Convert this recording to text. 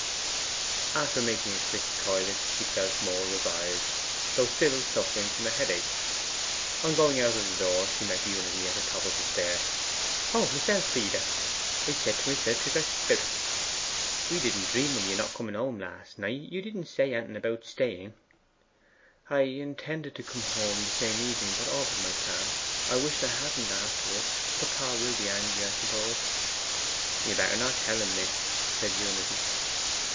After making a quick toilet she felt more revived, though still suffering from a headache. On going out of the door she met Unity at the top of the stair. 'O Miss Elfride! I said to myself 'tis her sperrit! We didn't dream o' you not coming home last night. You didn't say anything about staying.' 'I intended to come home the same evening, but altered my plan. I wished I hadn't afterwards. Papa will be angry, I suppose?' 'Better not tell him, miss,' said Unity.